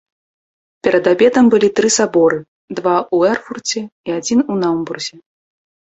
Перад абедам былі тры саборы — два ў Эрфурце і адзін у Наўмбурзе.